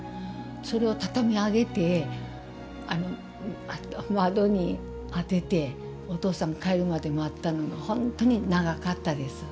それを畳上げて窓に当ててお父さん帰るまで待ったのがほんとに長かったです。